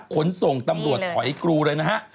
ขนส่งตำรวจถอยกรูเลยนะฮะ